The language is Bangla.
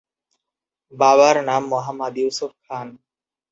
বাবার নাম মোহাম্মদ ইউসুফ খান।